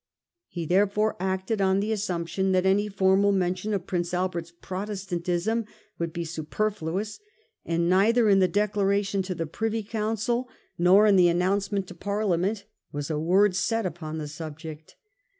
He therefore acted on the assumption that any formal mention of Prince Albert's Protestantism would be superfluous ; and neither in the declaration to the Privy Council, nor in the announcement to Parlia ment, was a word said upon the subject.